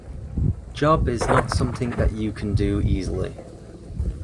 Job is not something that you can do easily.